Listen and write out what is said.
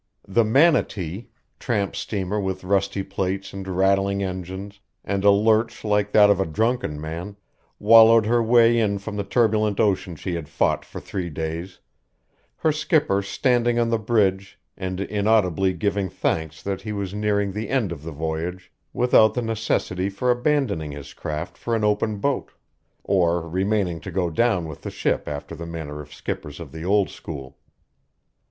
The Manatee, tramp steamer with rusty plates and rattling engines and a lurch like that of a drunken man, wallowed her way in from the turbulent ocean she had fought for three days, her skipper standing on the bridge and inaudibly giving thanks that he was nearing the end of the voyage without the necessity for abandoning his craft for an open boat, or remaining to go down with the ship after the manner of skippers of the old school.